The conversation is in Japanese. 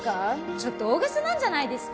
ちょっと大げさなんじゃないですか？